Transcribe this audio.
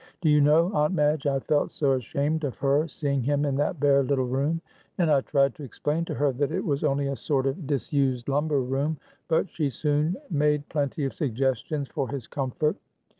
Do you know, Aunt Madge, I felt so ashamed of her seeing him in that bare little room, and I tried to explain to her that it was only a sort of disused lumber room, but she soon made plenty of suggestions for his comfort.